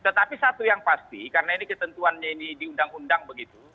tetapi satu yang pasti karena ini ketentuannya ini di undang undang begitu